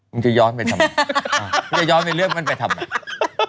มันจะย้อนไปทำไมมึงจะย้อนไปเรื่องมันไปทำไม